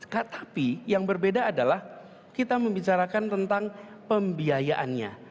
tetapi yang berbeda adalah kita membicarakan tentang pembiayaannya